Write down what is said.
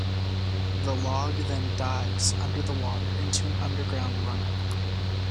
The log then 'dives' under the water into an underground runout.